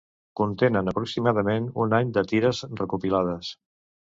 Contenen aproximadament un any de tires recopilades.